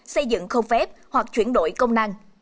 xây dựng không phép hoặc chuyển đổi công năng